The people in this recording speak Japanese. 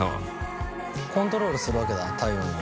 コントロールするわけだ体温を。